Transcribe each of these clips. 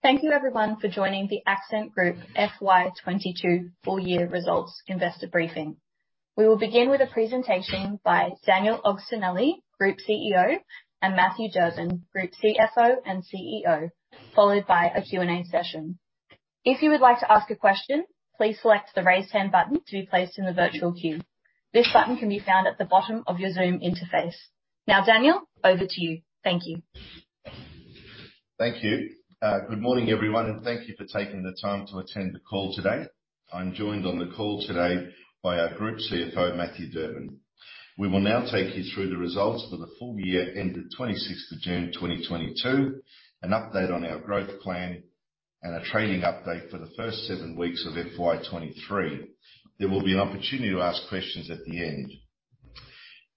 Thank you everyone for joining the Accent Group FY 2022 full year results investor briefing. We will begin with a presentation by Daniel Agostinelli, Group CEO, and Matthew Durbin, Group CFO and COO, followed by a Q&A session. If you would like to ask a question, please select the Raise Hand button to be placed in the virtual queue. This button can be found at the bottom of your Zoom interface. Now, Daniel, over to you. Thank you. Thank you. Good morning, everyone, and thank you for taking the time to attend the call today. I'm joined on the call today by our Group CFO, Matthew Durbin. We will now take you through the results for the full year ended 26th June 2022, an update on our growth plan and a trading update for the first seven weeks of FY 2023. There will be an opportunity to ask questions at the end.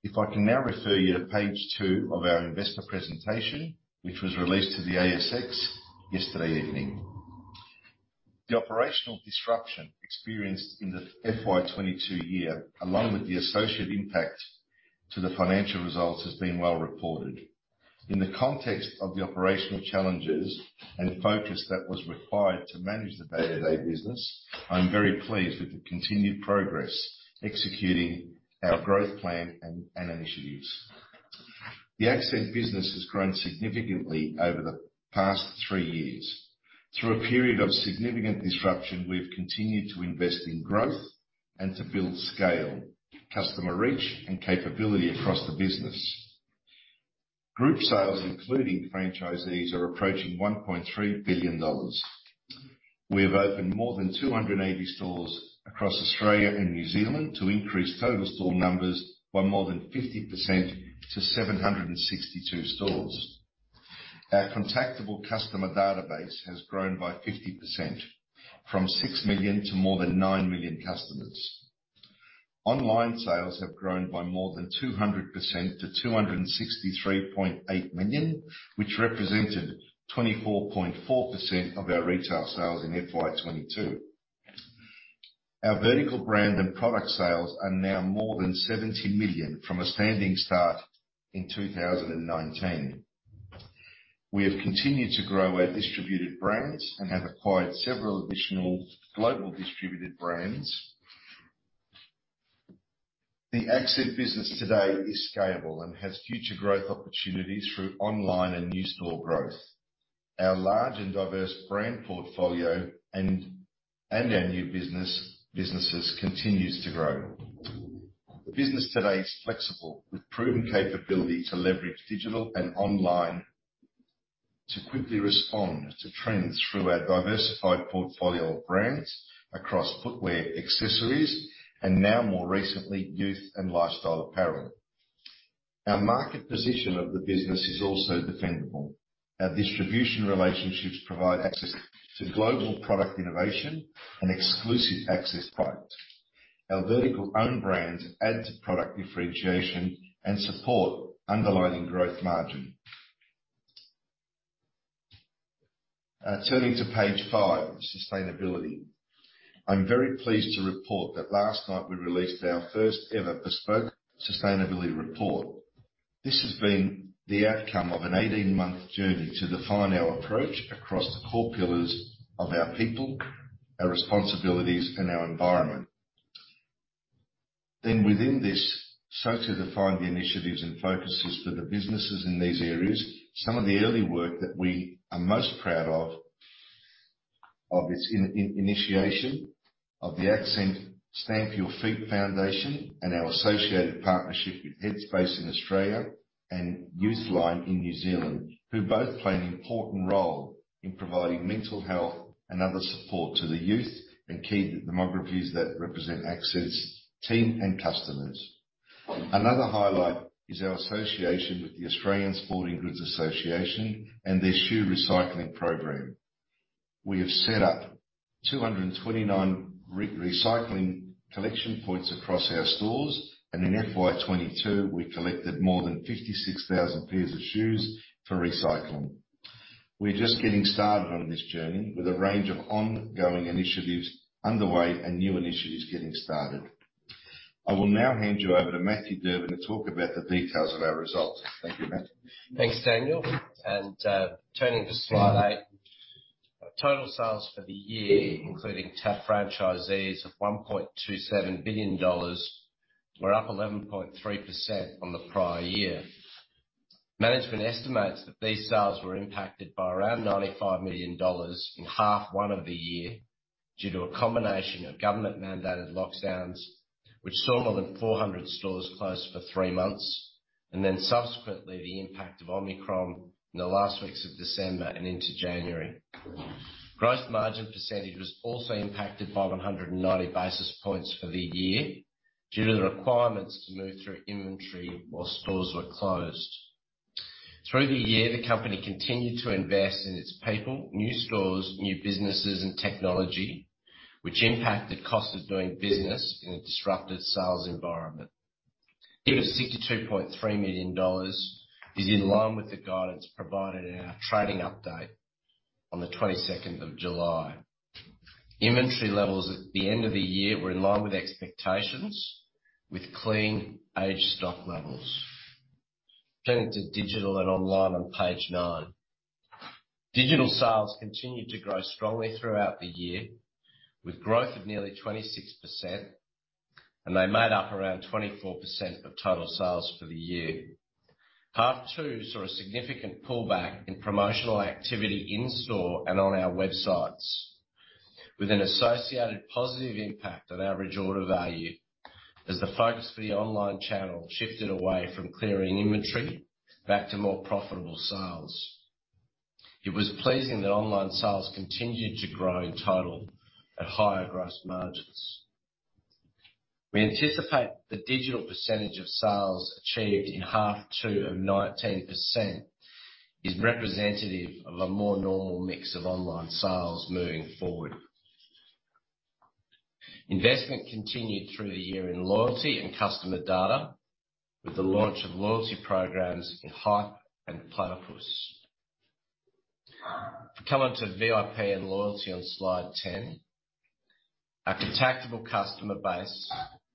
If I can now refer you to page two of our investor presentation, which was released to the ASX yesterday evening. The operational disruption experienced in the FY 2022 year, along with the associated impact to the financial results, has been well reported. In the context of the operational challenges and focus that was required to manage the day-to-day business, I'm very pleased with the continued progress executing our growth plan and initiatives. The Accent business has grown significantly over the past three years. Through a period of significant disruption, we've continued to invest in growth and to build scale, customer reach, and capability across the business. Group sales, including franchisees, are approaching 1.3 billion dollars. We have opened more than 280 stores across Australia and New Zealand to increase total store numbers by more than 50% to 762 stores. Our contactable customer database has grown by 50% from 6 million to more than 9 million customers. Online sales have grown by more than 200% to 263.8 million, which represented 24.4% of our retail sales in FY 2022. Our vertical brand and product sales are now more than 70 million from a standing start in 2019. We have continued to grow our distributed brands and have acquired several additional global distributed brands. The Accent business today is scalable and has future growth opportunities through online and new store growth. Our large and diverse brand portfolio and our new businesses continues to grow. The business today is flexible with proven capability to leverage digital and online to quickly respond to trends through our diversified portfolio of brands across footwear, accessories, and now more recently, youth and lifestyle apparel. Our market position of the business is also defendable. Our distribution relationships provide access to global product innovation and exclusive access products. Our vertical own brands add to product differentiation and support underlying growth margin. Turning to page five, Sustainability. I'm very pleased to report that last night we released our first ever bespoke sustainability report. This has been the outcome of an 18-month journey to define our approach across the core pillars of our people, our responsibilities, and our environment. Within this, to define the initiatives and focuses for the businesses in these areas, some of the early work that we are most proud of, its initiation of the Accent Stamp Your Feet foundation and our associated partnership with Headspace in Australia and Youthline in New Zealand, who both play an important role in providing mental health and other support to the youth and key demographies that represent Accent's team and customers. Another highlight is our association with the Australian Sporting Goods Association and their shoe recycling program. We have set up 229 recycling collection points across our stores, and in FY 2022, we collected more than 56,000 pairs of shoes for recycling. We're just getting started on this journey with a range of ongoing initiatives underway and new initiatives getting started. I will now hand you over to Matthew Durbin to talk about the details of our results. Thank you, Matt. Thanks, Daniel. Turning to slide eight, total sales for the year, including TAF franchisees, of 1.27 billion dollars were up 11.3% on the prior year. Management estimates that these sales were impacted by around 95 million dollars in half one of the year due to a combination of government-mandated lockdowns, which saw more than 400 stores close for three months, and then subsequently the impact of Omicron in the last weeks of December and into January. Gross margin percentage was also impacted by 190 basis points for the year due to the requirements to move through inventory while stores were closed. Through the year, the company continued to invest in its people, new stores, new businesses, and technology, which impacted cost of doing business in a disrupted sales environment. EBITDA of 62.3 million dollars is in line with the guidance provided in our trading update on the 22nd of July. Inventory levels at the end of the year were in line with expectations, with clean, aged stock levels. Turning to digital and online on page nine. Digital sales continued to grow strongly throughout the year, with growth of nearly 26%, and they made up around 24% of total sales for the year. Half two saw a significant pullback in promotional activity in store and on our websites, with an associated positive impact on average order value as the focus for the online channel shifted away from clearing inventory back to more profitable sales. It was pleasing that online sales continued to grow in total at higher gross margins. We anticipate the digital percentage of sales achieved in half two of 19% is representative of a more normal mix of online sales moving forward. Investment continued through the year in loyalty and customer data with the launch of loyalty programs in Hype and Platypus. Coming to VIP and loyalty on slide 10. Our contactable customer base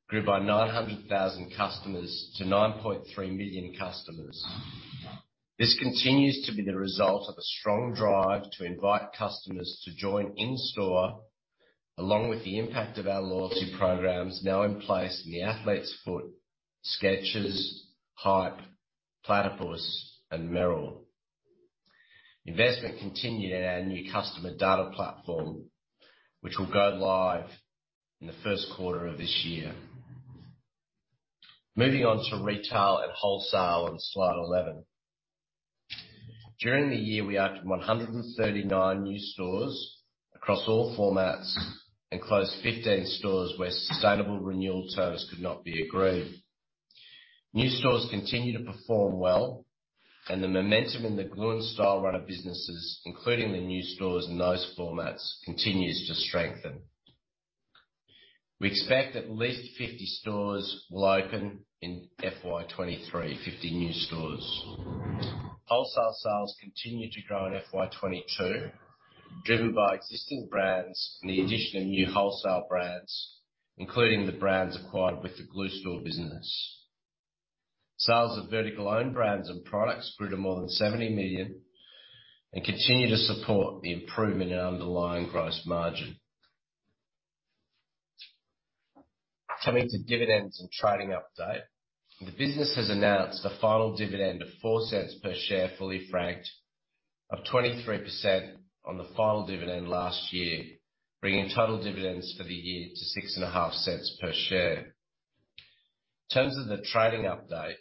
grew by 900,000 customers to 9.3 million customers. This continues to be the result of a strong drive to invite customers to join in store along with the impact of our loyalty programs now in place in The Athlete's Foot, Skechers, Hype, Platypus, and Merrell. Investment continued in our new customer data platform, which will go live in the first quarter of this year. Moving on to retail and wholesale on slide 11. During the year, we added 139 new stores across all formats and closed 15 stores where sustainable renewal terms could not be agreed. New stores continue to perform well, and the momentum in the Glue Store and Stylerunner businesses, including the new stores in those formats, continues to strengthen. We expect at least 50 stores will open in FY 2023, 50 new stores. Wholesale sales continued to grow in FY 2022, driven by existing brands and the addition of new wholesale brands, including the brands acquired with the Glue Store business. Sales of Vertical Brands and products grew to more than 70 million and continue to support the improvement in underlying gross margin. Coming to dividends and trading update. The business has announced a final dividend of 0.04 per share, fully franked, up 23% on the final dividend last year, bringing total dividends for the year to 0.065 per share. In terms of the trading update,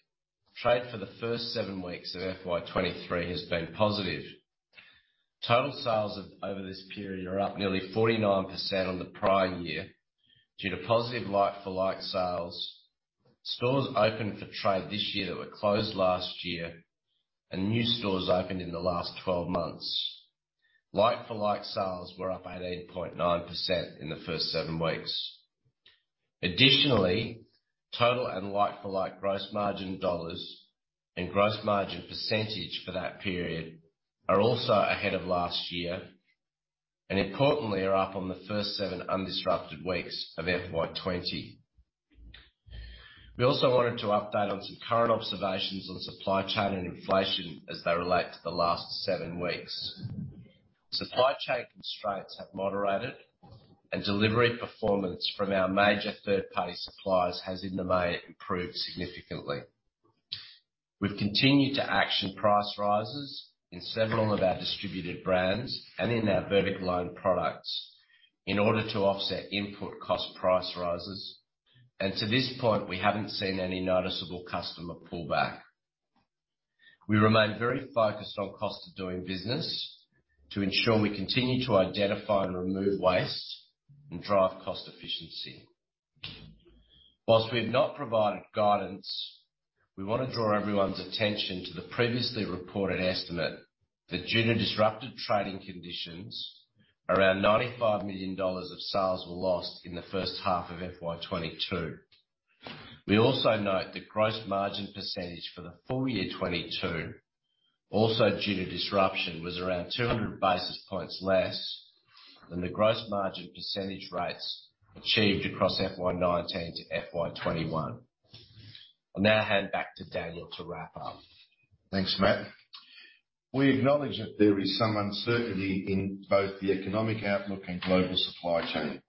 trade for the first seven weeks of FY 2023 has been positive. Total sales over this period are up nearly 49% on the prior year due to positive like-for-like sales. Stores opened for trade this year that were closed last year and new stores opened in the last 12 months. Like-for-like sales were up at 8.9% in the first seven weeks. Additionally, total and like-for-like gross margin dollars and gross margin percentage for that period are also ahead of last year and importantly are up on the first seven undisrupted weeks of FY 2020. We also wanted to update on some current observations on supply chain and inflation as they relate to the last seven weeks. Supply chain constraints have moderated and delivery performance from our major third-party suppliers has in May improved significantly. We've continued to action price rises in several of our distributed brands and in our vertical own products in order to offset input cost price rises. To this point, we haven't seen any noticeable customer pullback. We remain very focused on cost of doing business to ensure we continue to identify and remove waste and drive cost efficiency. While we have not provided guidance, we wanna draw everyone's attention to the previously reported estimate that due to disrupted trading conditions, around 95 million dollars of sales were lost in the first half of FY 2022. We also note that gross margin percentage for the full year 2022, also due to disruption, was around 200 basis points less than the gross margin percentage rates achieved across FY 2019 to FY 2021. I'll now hand back to Daniel to wrap up. Thanks, Matt. We acknowledge that there is some uncertainty in both the economic outlook and global supply chain.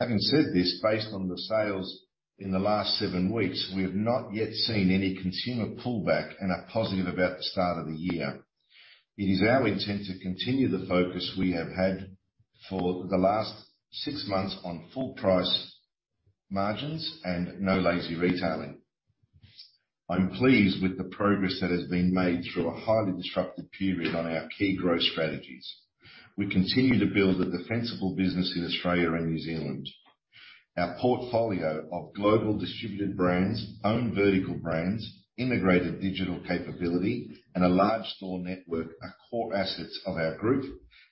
Having said this, based on the sales in the last seven weeks, we have not yet seen any consumer pullback and are positive about the start of the year. It is our intent to continue the focus we have had for the last six months on full price margins and no lazy retailing. I'm pleased with the progress that has been made through a highly disrupted period on our key growth strategies. We continue to build a defensible business in Australia and New Zealand. Our portfolio of global distributed brands, own vertical brands, integrated digital capability, and a large store network are core assets of our group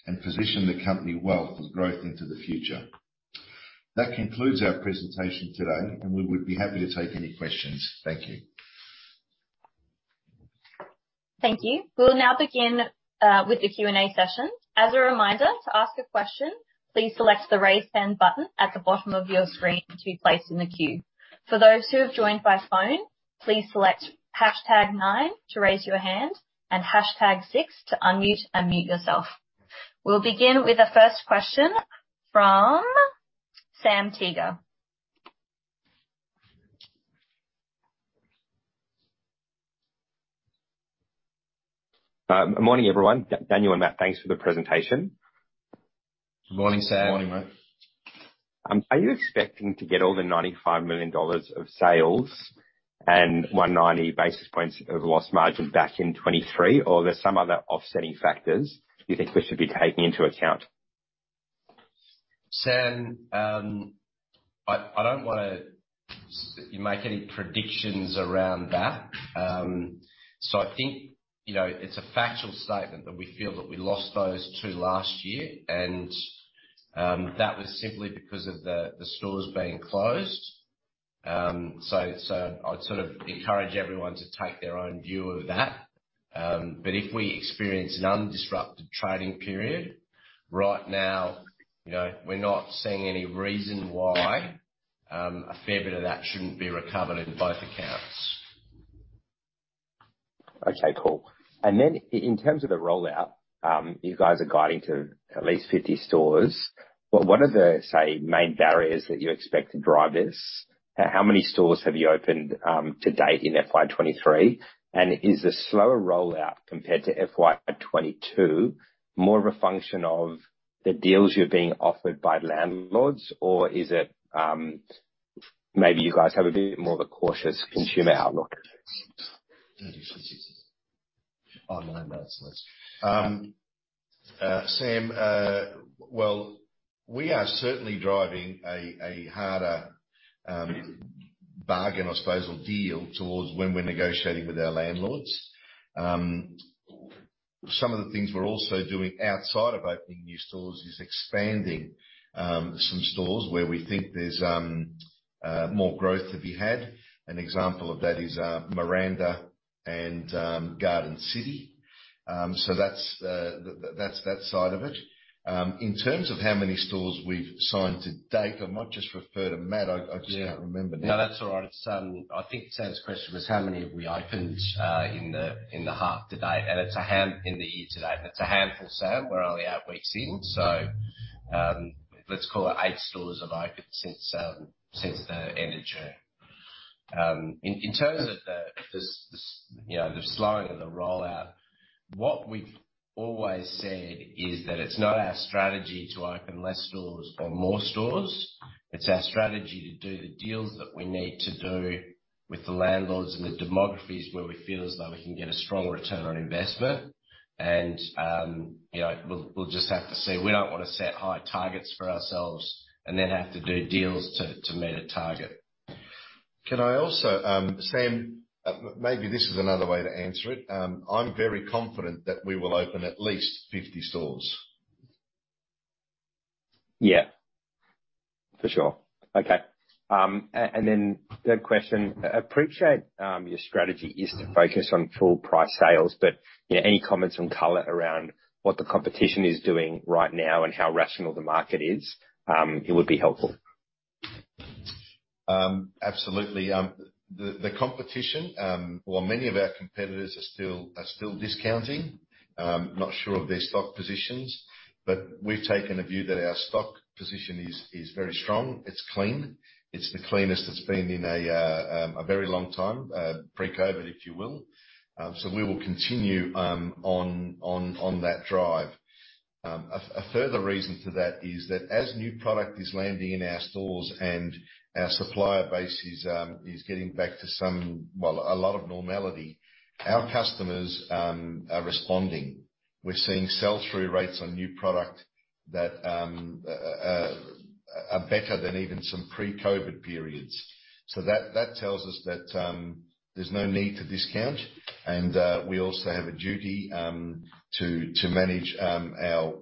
and position the company well for growth into the future. That concludes our presentation today, and we would be happy to take any questions. Thank you. Thank you. We'll now begin with the Q&A session. As a reminder, to ask a question, please select the Raise Hand button at the bottom of your screen to be placed in the queue. For those who have joined by phone, please select hashtag nine to raise your hand and hashtag six to unmute and mute yourself. We'll begin with the first question from Sam Teeger. Good morning, everyone. Daniel and Matt, thanks for the presentation. Good morning, Sam. Good morning, mate. Are you expecting to get all the 95 million dollars of sales and 190 basis points of loss margin back in 2023, or are there some other offsetting factors you think we should be taking into account? Sam, I don't wanna make any predictions around that. I think, you know, it's a factual statement that we feel that we lost those two last year and that was simply because of the stores being closed. I'd sort of encourage everyone to take their own view of that. If we experience an undisrupted trading period, right now, you know, we're not seeing any reason why a fair bit of that shouldn't be recovered in both accounts. Okay, cool. In terms of the rollout, you guys are guiding to at least 50 stores. What are the, say, main barriers that you expect to drive this? How many stores have you opened to date in FY 2023? Is the slower rollout compared to FY 2022 more of a function of the deals you're being offered by landlords, or is it maybe you guys have a bit more of a cautious consumer outlook? Online, that's less. Sam, well, we are certainly driving a harder bargain, I suppose, or deal towards when we're negotiating with our landlords. Some of the things we're also doing outside of opening new stores is expanding some stores where we think there's more growth to be had. An example of that is Miranda and Garden City. That's that side of it. In terms of how many stores we've signed to date, I might just refer to Matt. I just can't remember now. Yeah. No, that's all right. I think Sam's question was how many have we opened in the year to date, and it's a handful, Sam. We're only eight weeks in, so let's call it eight stores have opened since the end of June. In terms of you know, the slowing of the rollout, what we've always said is that it's not our strategy to open less stores or more stores. It's our strategy to do the deals that we need to do with the landlords and the demographics where we feel as though we can get a strong return on investment. You know, we'll just have to see. We don't wanna set high targets for ourselves and then have to do deals to meet a target. Can I also, Sam, maybe this is another way to answer it. I'm very confident that we will open at least 50 stores. Yeah. For sure. Okay. And then third question. Appreciate your strategy is to focus on full price sales, but you know, any comments on color around what the competition is doing right now and how rational the market is. It would be helpful. Absolutely. The competition or many of our competitors are still discounting. Not sure of their stock positions, but we've taken a view that our stock position is very strong. It's clean. It's the cleanest it's been in a very long time, pre-COVID, if you will. We will continue on that drive. A further reason to that is that as new product is landing in our stores and our supplier base is getting back to some, well, a lot of normality, our customers are responding. We're seeing sell-through rates on new product that are better than even some pre-COVID periods. That tells us that there's no need to discount, and we also have a duty to manage our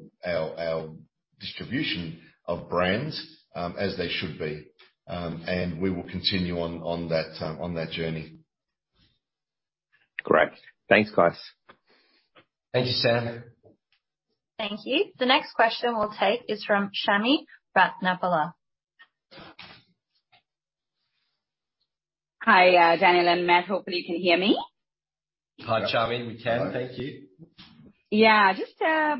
distribution of brands as they should be. We will continue on that journey. Great. Thanks, guys. Thank you, Sam. Thank you. The next question we'll take is from Chami Ratnapala. Hi, Daniel and Matt. Hopefully you can hear me. Hi, Chami. We can. Hello. Thank you. Yeah. Just a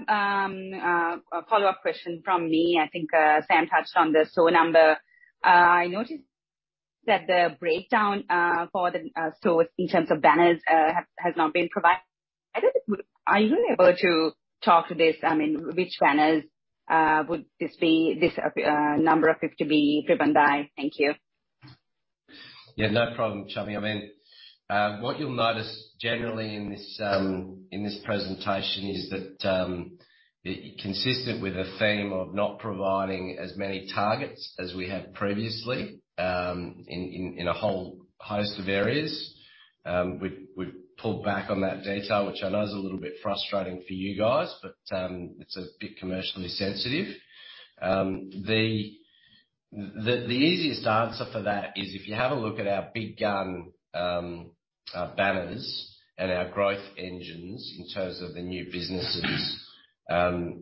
follow-up question from me. I think Sam touched on the store number. I noticed that the breakdown for the stores in terms of banners has not been provided. Are you able to talk to this? I mean, which banners would this number of 50 be driven by? Thank you. Yeah, no problem, Chami. I mean, what you'll notice generally in this presentation is that, consistent with the theme of not providing as many targets as we have previously, in a whole host of areas. We've pulled back on that detail, which I know is a little bit frustrating for you guys, but, it's a bit commercially sensitive. The easiest answer for that is if you have a look at our big gun, banners and our growth engines in terms of the new businesses,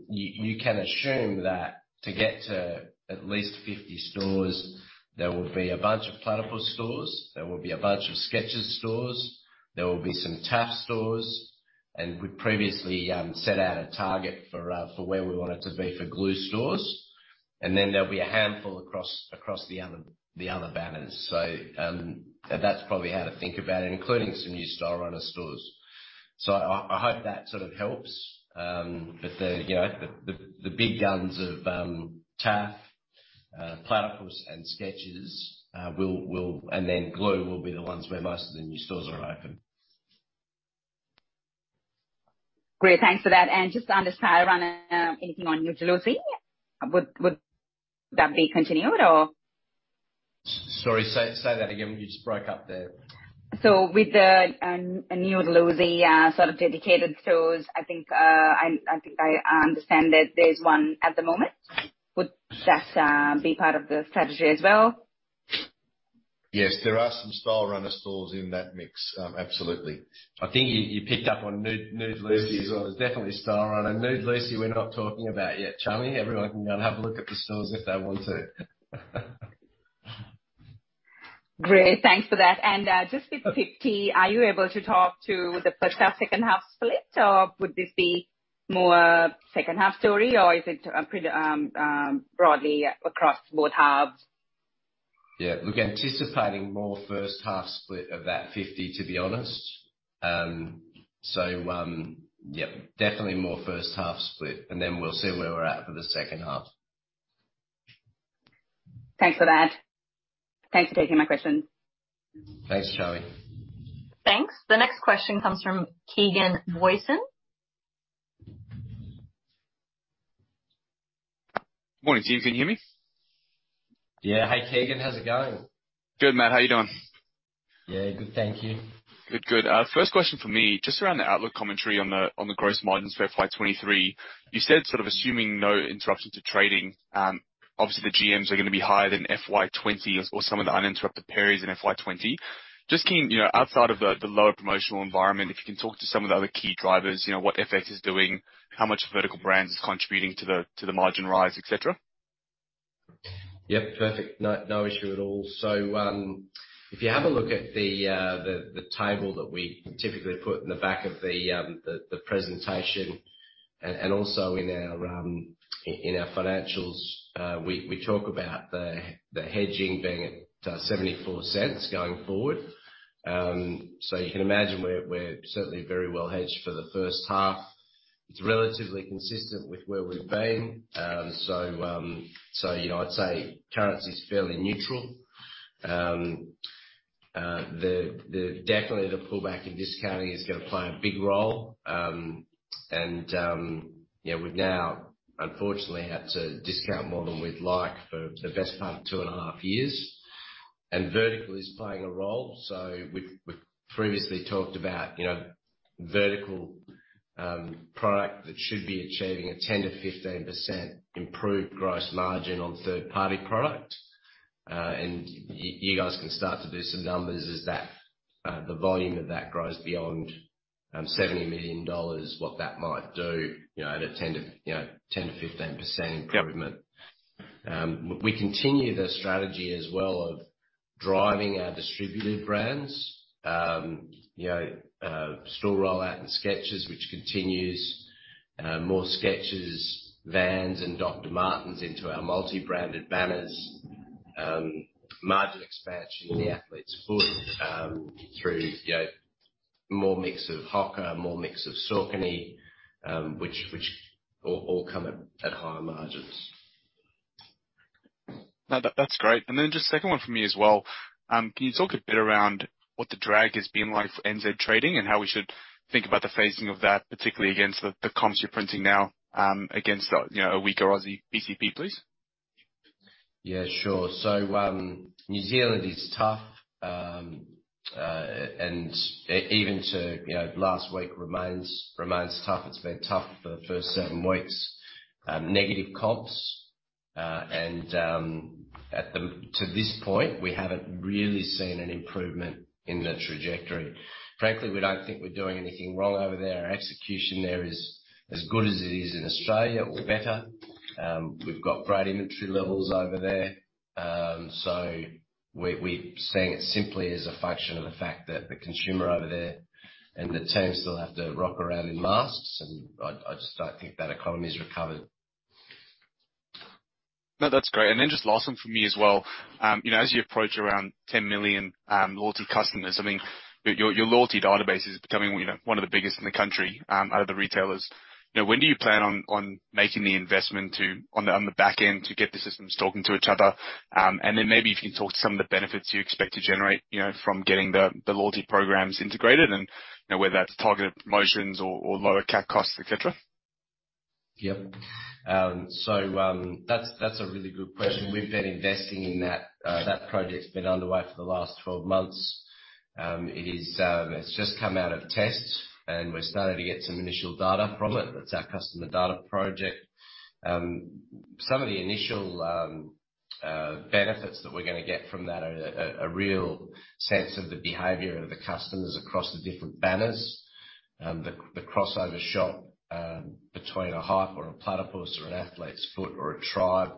you can assume that to get to at least 50 stores, there will be a bunch of Platypus stores. There will be a bunch of Skechers stores. There will be some TAF stores, and we previously set out a target for where we want it to be for Glue stores. Then there'll be a handful across the other banners. That's probably how to think about it, including some new Stylerunner stores. I hope that sort of helps. But you know the big guns of TAF, Platypus, and Skechers and then Glue will be the ones where most of the new stores are open. Great. Thanks for that. Just on Stylerunner, anything on Nude Lucy? Would that be continued or? Sorry, say that again. You just broke up there. With the Nude Lucy sort of dedicated stores, I think I understand that there's one at the moment. Would that be part of the strategy as well? Yes. There are some Stylerunner stores in that mix. Absolutely. I think you picked up on Nude Lucy as well. There's definitely Stylerunner. Nude Lucy, we're not talking about yet, Chami. Everyone can go and have a look at the stores if they want to. Great. Thanks for that. Just with 50, are you able to talk to the first half, second half split? Or would this be more second half story, or is it broadly across both halves? Yeah. Look, anticipating more first half split of that 50, to be honest. Yeah, definitely more first half split, and then we'll see where we're at for the second half. Thanks for that. Thanks for taking my question. Thanks, Chami. Thanks. The next question comes from Keegan Booysen. Morning, team. Can you hear me? Yeah. Hi, Keegan. How's it going? Good, Matt. How are you doing? Yeah, good. Thank you. Good, good. First question from me, just around the outlook commentary on the gross margins for FY 2023. You said sort of assuming no interruption to trading, obviously the GMs are gonna be higher than FY 2020 or some of the uninterrupted periods in FY 2020. Just you know, outside of the lower promotional environment, if you can talk to some of the other key drivers, you know, what FX is doing, how much Vertical Brands is contributing to the margin rise, et cetera. Yep, perfect. No issue at all. If you have a look at the table that we typically put in the back of the presentation and also in our financials, we talk about the hedging being at 0.74 going forward. You can imagine we're certainly very well hedged for the first half. It's relatively consistent with where we've been. You know, I'd say currency's fairly neutral. Definitely the pullback in discounting is gonna play a big role. You know, we've now unfortunately had to discount more than we'd like for the best part of two and a half years. Vertical is playing a role. We've previously talked about, you know, Vertical product that should be achieving a 10%-15% improved gross margin on third-party product. You guys can start to do some numbers as the volume of that grows beyond 70 million dollars, what that might do, you know, at a 10%-15% improvement. We continue the strategy as well of driving our distributed brands. Store rollout and Skechers, which continues. More Skechers, Vans and Dr. Martens into our multi-branded banners. Margin expansion in the Athlete's Foot through more mix of HOKA, more mix of Saucony, which all come at higher margins. No, that's great. Then just second one from me as well. Can you talk a bit around what the drag has been like for NZ trading and how we should think about the phasing of that, particularly against the comps you're printing now, against you know, a weaker Aussie PCP, please? Yeah, sure. New Zealand is tough, and even up to last week, you know, remains tough. It's been tough for the first seven weeks. Negative comps, and to this point, we haven't really seen an improvement in the trajectory. Frankly, we don't think we're doing anything wrong over there. Our execution there is as good as it is in Australia or better. We've got great inventory levels over there. We're seeing it simply as a function of the fact that the consumer over there and the teams still have to walk around in masks, and I just don't think that economy's recovered. No, that's great. Just last one from me as well. You know, as you approach around 10 million loyalty customers, I mean, your loyalty database is becoming one of the biggest in the country out of the retailers. You know, when do you plan on making the investment on the back end to get the systems talking to each other? Maybe if you can talk to some of the benefits you expect to generate, you know, from getting the loyalty programs integrated and, you know, whether that's targeted promotions or lower CAC costs, et cetera. Yep. So, that's a really good question. We've been investing in that. That project's been underway for the last 12 months. It's just come out of tests, and we're starting to get some initial data from it. That's our customer data project. Some of the initial benefits that we're gonna get from that are a real sense of the behavior of the customers across the different banners, and the crossover shop between a Hype or a Platypus or an Athlete's Foot or a Tribe.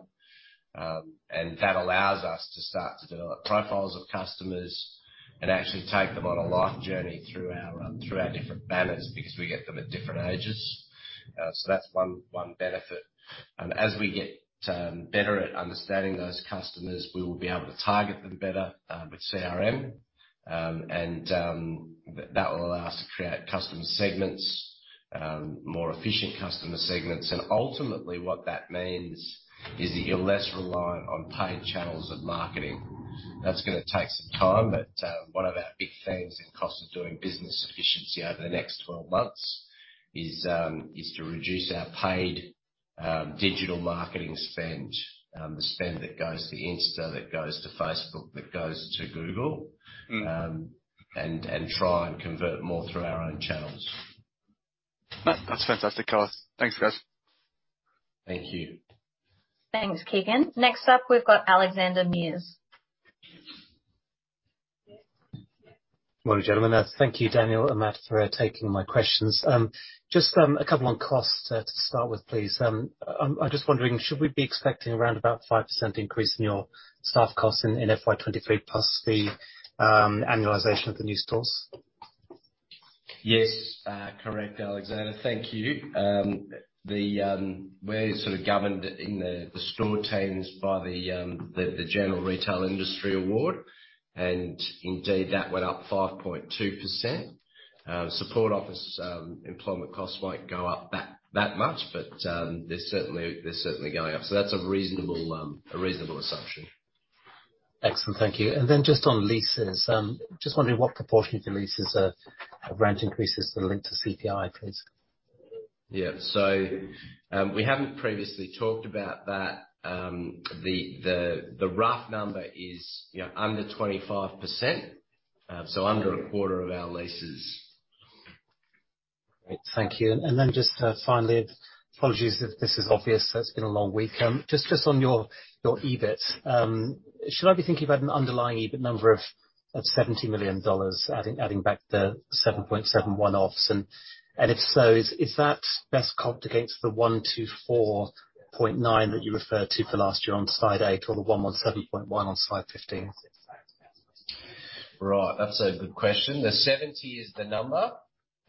That allows us to start to develop profiles of customers and actually take them on a life journey through our different banners because we get them at different ages. That's one benefit. As we get better at understanding those customers, we will be able to target them better with CRM. That will allow us to create customer segments, more efficient customer segments. Ultimately, what that means is that you're less reliant on paid channels of marketing. That's gonna take some time, but one of our big things in cost of doing business efficiency over the next 12 months is to reduce our paid digital marketing spend. The spend that goes to Insta, that goes to Facebook, that goes to Google. Mm-hmm. Try and convert more through our own channels. That's fantastic, guys. Thanks, guys. Thank you. Thanks, Keegan. Next up, we've got Alexander Mees. Morning, gentlemen. Thank you, Daniel and Matt, for taking my questions. Just a couple on costs to start with, please. I'm just wondering, should we be expecting around about 5% increase in your staff costs in FY 2023, plus the annualization of the new stores? Yes, correct, Alexander. Thank you. We're sort of governed in the store teams by the general retail industry award. Indeed, that went up 5.2%. Support office employment costs won't go up that much, but they're certainly going up. That's a reasonable assumption. Excellent. Thank you. Just on leases, just wondering what proportion of the leases are rent increases that are linked to CPI, please? Yeah. We haven't previously talked about that. The rough number is, you know, under 25%, so under a quarter of our leases. Great. Thank you. Just finally, apologies if this is obvious, it's been a long week. Just on your EBIT. Should I be thinking about an underlying EBIT number of 70 million dollars, adding back the 7.7 million one-offs? If so, is that best comped against the 124.9 million that you referred to for last year on slide eight or the 117.1 million on slide 15? Right. That's a good question. The 70 is the number.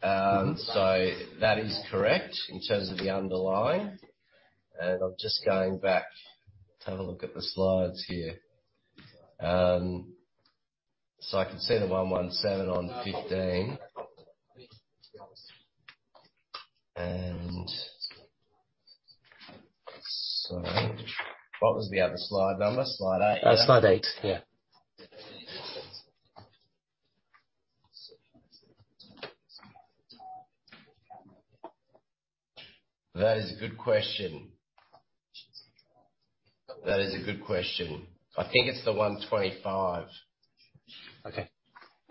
That is correct in terms of the underlying. I'm just going back to have a look at the slides here. I can see the 117 on 15. What was the other slide number? Slide eight? Slide eight. Yeah. That is a good question. I think it's the 125. Okay.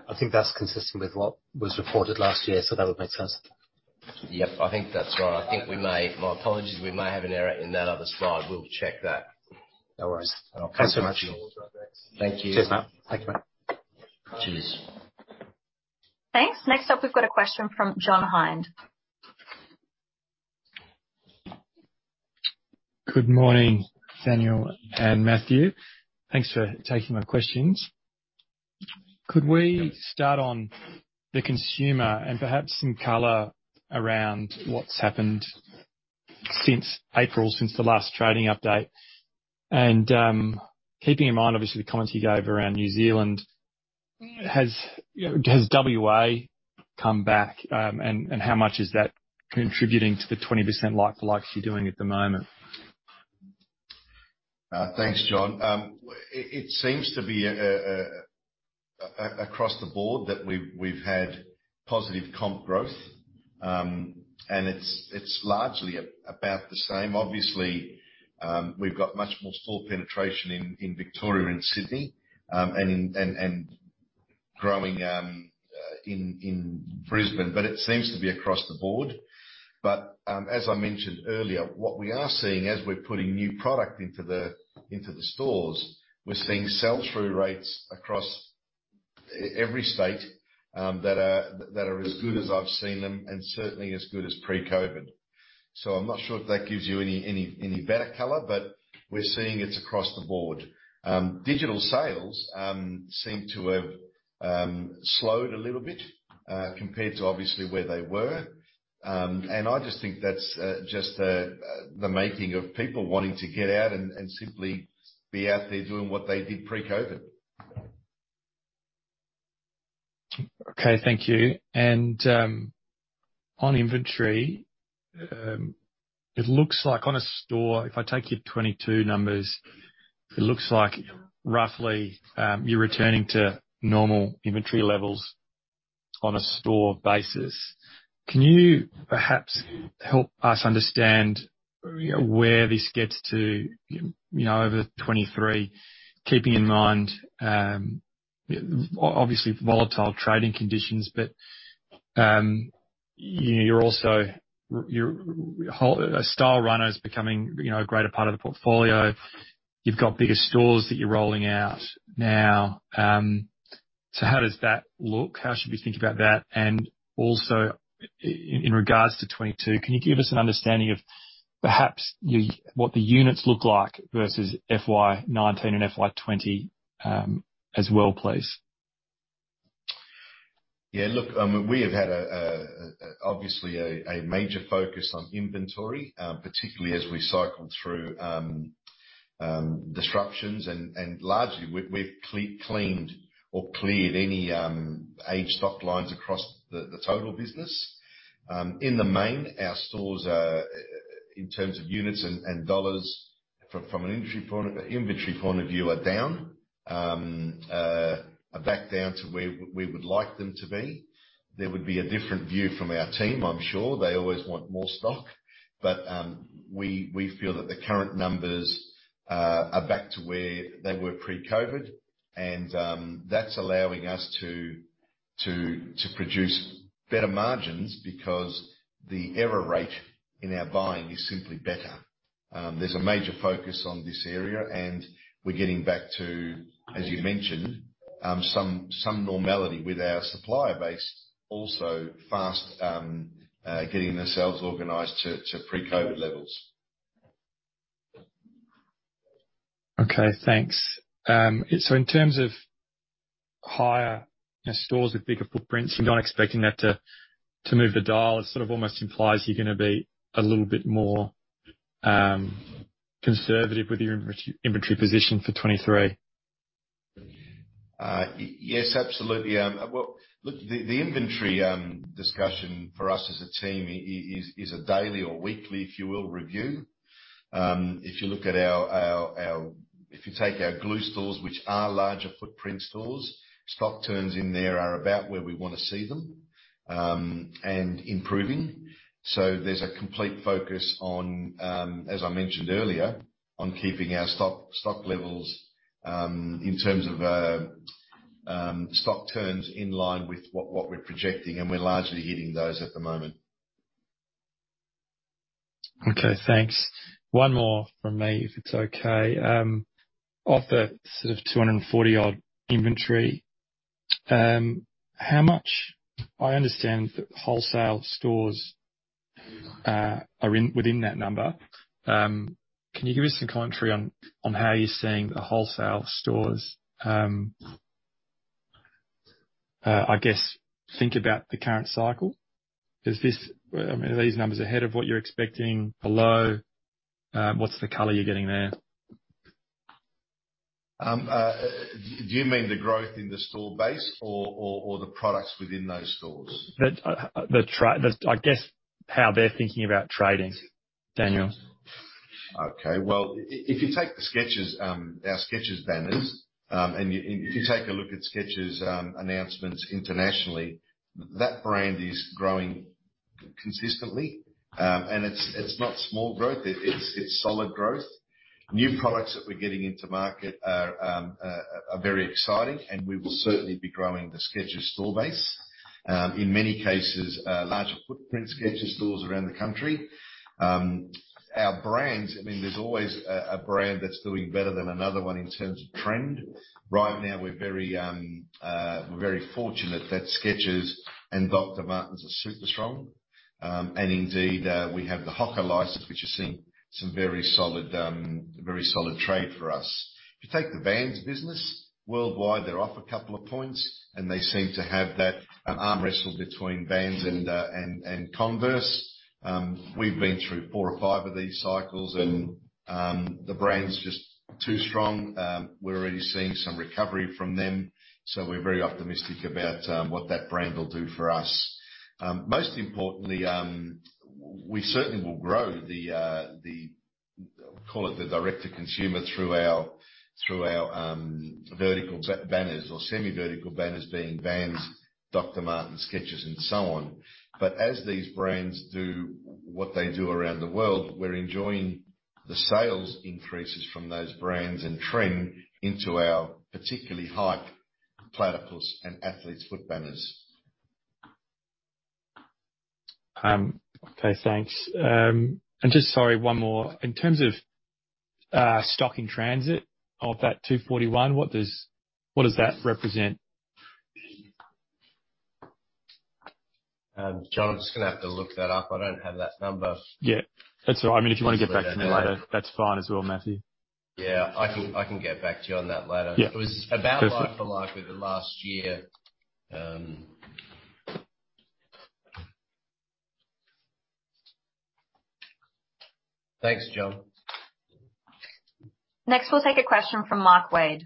I think that's consistent with what was reported last year, so that would make sense. Yep. I think that's right. My apologies, we may have an error in that other slide. We'll check that. No worries. Thank you so much. Thank you. Cheers, man. Thank you. Cheers. Thanks. Next up, we've got a question from John Hynd. Good morning, Daniel and Matthew. Thanks for taking my questions. Could we start on the consumer and perhaps some color around what's happened since April, since the last trading update? Keeping in mind, obviously, the comments you gave around New Zealand, has WA come back? And how much is that contributing to the 20% like-for-likes you're doing at the moment? Thanks, John. It seems to be across the board that we've had positive comp growth. It's largely about the same. Obviously, we've got much more store penetration in Victoria and Sydney, and growing in Brisbane. It seems to be across the board. As I mentioned earlier, what we are seeing as we're putting new product into the stores, we're seeing sell-through rates across every state that are as good as I've seen them, and certainly as good as pre-COVID. I'm not sure if that gives you any better color, but we're seeing it's across the board. Digital sales seem to have slowed a little bit, compared to obviously where they were. I just think that's just the making of people wanting to get out and simply be out there doing what they did pre-COVID. Okay. Thank you. On inventory, it looks like on a store, if I take your 2022 numbers, it looks like roughly, you're returning to normal inventory levels. On a store basis, can you perhaps help us understand, you know, where this gets to, you know, over 2023, keeping in mind, obviously volatile trading conditions. You know, you're also. You're Stylerunner is becoming, you know, a greater part of the portfolio. You've got bigger stores that you're rolling out now. How does that look? How should we think about that? Also in regards to 2022, can you give us an understanding of perhaps what the units look like versus FY 2019 and FY 2020, as well, please? Yeah. Look, we have had obviously a major focus on inventory, particularly as we cycle through disruptions. Largely we've cleaned or cleared any aged stock lines across the total business. In the main, our stores are in terms of units and dollars from an inventory point of view back down to where we would like them to be. There would be a different view from our team, I'm sure. They always want more stock, but we feel that the current numbers are back to where they were pre-COVID. That's allowing us to produce better margins because the error rate in our buying is simply better. There's a major focus on this area, and we're getting back to, as you mentioned, some normality with our supplier base also fast getting themselves organized to pre-COVID levels. Okay, thanks. In terms of higher stores with bigger footprints, you're not expecting that to move the dial. It sort of almost implies you're gonna be a little bit more conservative with your inventory position for 2023. Yes, absolutely. Well, look, the inventory discussion for us as a team is a daily or weekly, if you will, review. If you take our Glue Store, which are larger footprint stores, stock turns in there are about where we wanna see them, and improving. There's a complete focus on, as I mentioned earlier, on keeping our stock levels in terms of stock turns in line with what we're projecting. We're largely hitting those at the moment. Okay, thanks. One more from me if it's okay. Of the sort of 240-odd inventory, how much—I understand that wholesale stores are within that number. Can you give us some commentary on how you're seeing the wholesale stores, I guess, think about the current cycle? I mean, are these numbers ahead of what you're expecting? Below? What's the color you're getting there? Do you mean the growth in the store base or the products within those stores? I guess how they're thinking about trading, Daniel. Okay. Well, if you take the Skechers, our Skechers banners, and you take a look at Skechers' announcements internationally, that brand is growing consistently. It's not small growth. It's solid growth. New products that we're getting into market are very exciting, and we will certainly be growing the Skechers store base. In many cases, larger footprint Skechers stores around the country. Our brands, I mean, there's always a brand that's doing better than another one in terms of trend. Right now we're very fortunate that Skechers and Dr. Martens are super strong. Indeed, we have the HOKA license, which is seeing some very solid trade for us. If you take the Vans business worldwide, they're off a couple of points, and they seem to have that arm wrestle between Vans and Converse. We've been through four or five of these cycles, and the brand's just too strong. We're already seeing some recovery from them, so we're very optimistic about what that brand will do for us. Most importantly, we certainly will grow the direct-to-consumer through our vertical banners or semi-vertical banners being Vans, Dr. Martens, Skechers, and so on. As these brands do what they do around the world, we're enjoying the sales increases from those brands and trending into our particular Hype, Platypus, and Athlete's Foot banners. Okay, thanks. Just sorry, one more. In terms of stock in transit of that 241, what does that represent? John, I'm just gonna have to look that up. I don't have that number. Yeah. That's all right. I mean, if you wanna get back to me later, that's fine as well, Matthew. Yeah. I can get back to you on that later. Yeah. It was about like-for-like with the last year. Thanks, John. Next, we'll take a question from Mark Wade.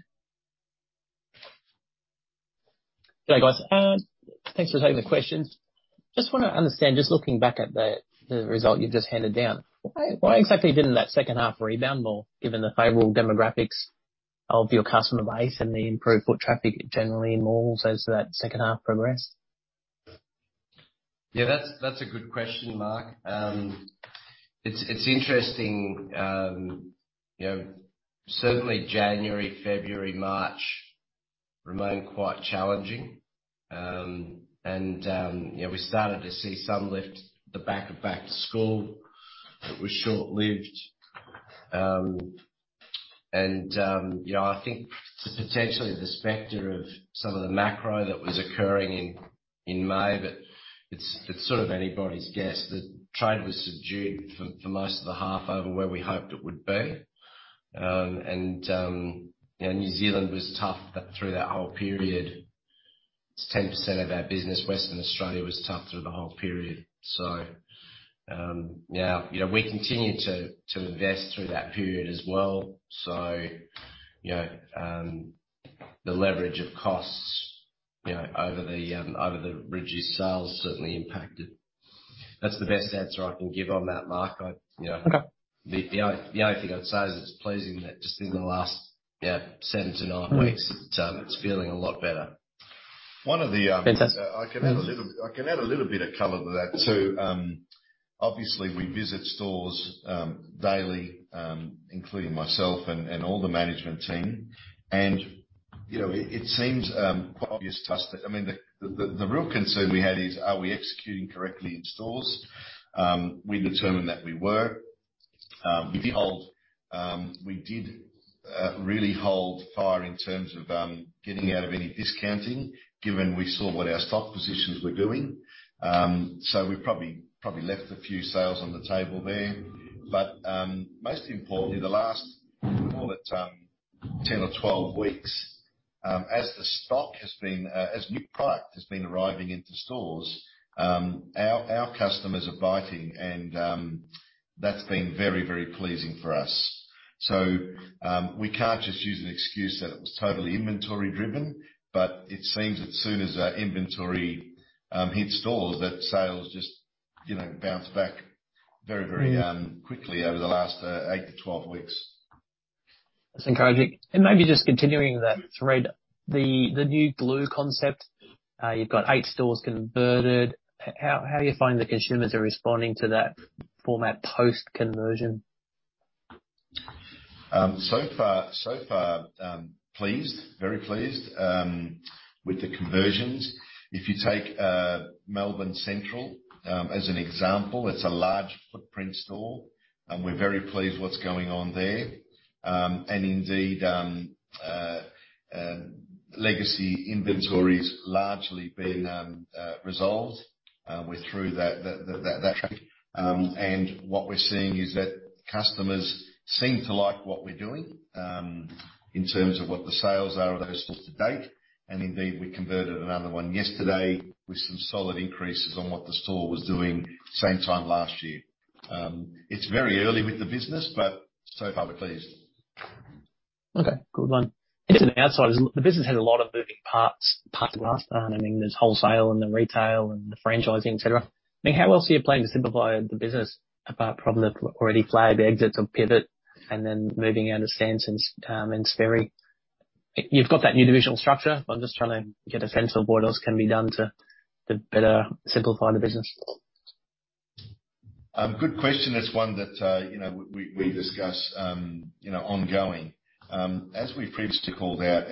Good day, guys. Thanks for taking the questions. Just wanna understand, just looking back at the result you've just handed down, why exactly didn't that second half rebound more given the favorable demographics? Of your customer base and the improved foot traffic generally in malls as that second half progressed? Yeah, that's a good question, Mark. It's interesting. You know, certainly January, February, March remained quite challenging. We started to see some lift in the back of back-to-school. It was short-lived. You know, I think potentially the specter of some of the macro that was occurring in May, but it's sort of anybody's guess that trade was subdued for most of the half below where we hoped it would be. You know, New Zealand was tough through that whole period. It's 10% of our business. Western Australia was tough through the whole period. You know, we continue to invest through that period as well. You know, the leverage of costs over the reduced sales certainly impacted. That's the best answer I can give on that, Mark. I, you know. Okay. The only thing I'd say is it's pleasing that just in the last, you know, seven to nine weeks, it's feeling a lot better. Fantastic. I can add a little bit of color to that too. Obviously we visit stores daily, including myself and all the management team. You know, it seems quite obvious to us that I mean, the real concern we had is, are we executing correctly in stores? We determined that we were. We did really hold fire in terms of getting out of any discounting given we saw what our stock positions were doing. We probably left a few sales on the table there. Most importantly, the last, call it, 10 or 12 weeks, as new product has been arriving into stores, our customers are biting and that's been very, very pleasing for us. We can't just use an excuse that it was totally inventory driven, but it seems as soon as our inventory hit stores that sales just, you know, bounced back very, very quickly over the last eight to 12 weeks. That's encouraging. Maybe just continuing that thread. The new Glue concept, you've got eight stores converted. How are you finding the consumers are responding to that format post-conversion? So far, very pleased with the conversions. If you take Melbourne Central as an example, it's a large footprint store, and we're very pleased with what's going on there. Indeed, legacy inventory's largely been resolved through that. What we're seeing is that customers seem to like what we're doing in terms of what the sales are of those stores to date. Indeed, we converted another one yesterday with some solid increases on what the store was doing same time last year. It's very early with the business, but so far we're pleased. Okay. Good one. Just on the outside, the business has a lot of moving parts to master. I mean, there's wholesale and the retail and the franchising, et cetera. I mean, how else are you planning to simplify the business apart from the already flagged exits of PIVOT and then moving out of Stance and Sperry? You've got that new divisional structure. I'm just trying to get a sense of what else can be done to better simplify the business. Good question. That's one that, you know, we discuss, you know, ongoing. As we previously called out,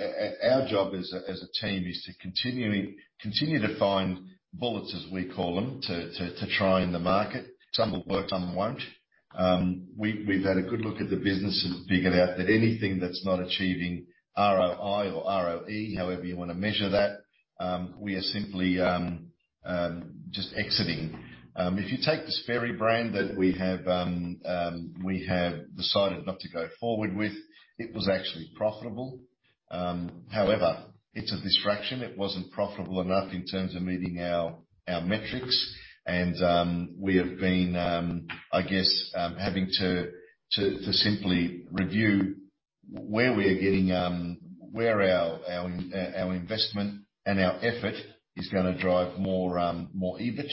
our job as a team is to continue to find bullets, as we call them, to try in the market. Some will work, some won't. We've had a good look at the business and figured out that anything that's not achieving ROI or ROE, however you wanna measure that, we are simply just exiting. If you take the Sperry brand that we have, we have decided not to go forward with, it was actually profitable. However, it's a distraction. It wasn't profitable enough in terms of meeting our metrics. We have been, I guess, having to simply review where our investment and our effort is gonna drive more EBIT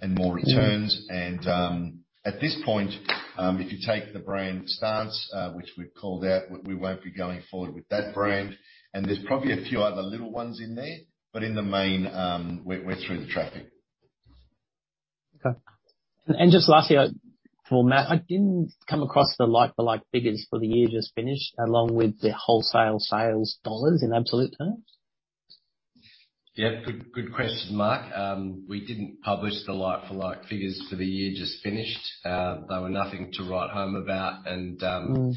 and more returns. At this point, if you take the brand Stance, which we've called out, we won't be going forward with that brand. There's probably a few other little ones in there. In the main, we're through the traffic. Okay. Just lastly, for Matt, I didn't come across the like-for-like figures for the year just finished, along with the wholesale sales dollars in absolute terms. Yeah, good question, Mark. We didn't publish the like-for-like figures for the year just finished. They were nothing to write home about. Mm.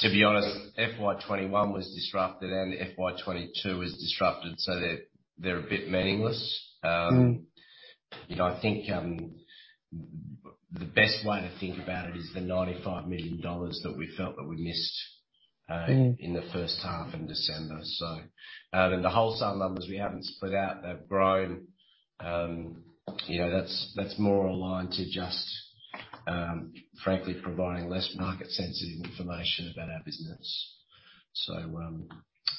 To be honest, FY 2021 was disrupted and FY 2022 was disrupted, so they're a bit meaningless. Mm. You know, I think, the best way to think about it is the 95 million dollars that we felt that we missed. Mm. In the first half in December, the wholesale numbers we haven't split out. They've grown. You know, that's more aligned to just frankly providing less market sensitive information about our business.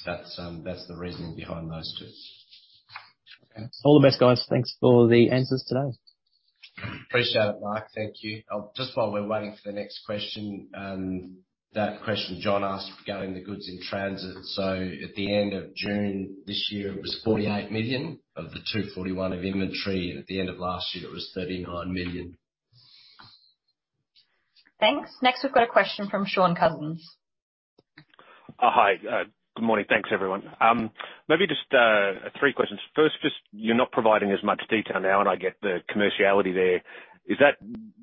That's the reasoning behind those two. All the best, guys. Thanks for the answers today. Appreciate it, Mark. Thank you. Just while we're waiting for the next question, that question John asked regarding the goods in transit. At the end of June this year, it was 48 million of the 241 million of inventory, and at the end of last year, it was 39 million. Thanks. Next, we've got a question from Shaun Cousins. Hi. Good morning. Thanks, everyone. Maybe just three questions. First, just you're not providing as much detail now, and I get the commerciality there.